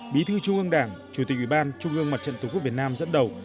bí thư trung ương đảng chủ tịch ủy ban trung ương mặt trận tổ quốc việt nam dẫn đầu